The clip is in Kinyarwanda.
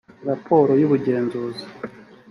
raporo y’ubugenzuzi